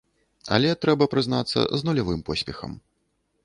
Але, трэба прызнацца, з нулявым поспехам.